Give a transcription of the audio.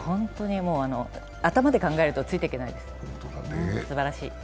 頭で考えるとついていけないです、すばらしい。